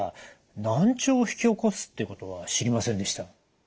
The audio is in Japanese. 難聴を引き起こすっていうことは知りませんでした。